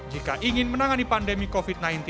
jika ingin menangani pandemi covid sembilan belas